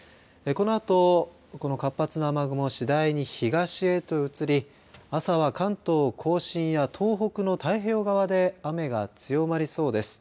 このあと、この活発な雨雲が次第に東へと移り朝は関東甲信や東北の太平洋側で雨が強まりそうです。